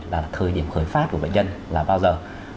là thời điểm khởi phát của bệnh nhân là bao giờ